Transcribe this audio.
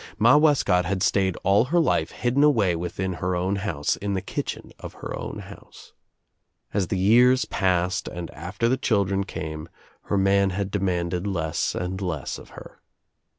Ma Wescott had stayed all her life hidden away within her own house, in the kitchen of her house. As the years passed and after the children came her man had , demanded less and less of her.